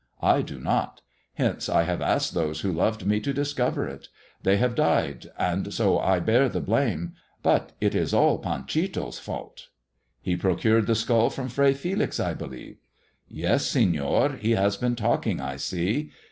I do not; hence I have asked those who loved me to discover it. They have died, and so I bear the blame ; but it is all Fanchito's fault." He procured the skull from Fray Felix, I believe 1 "'' Yes, Senor ; he has been talking, I see.